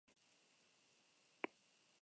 Ez dute noiz eta non izango den zehaztu.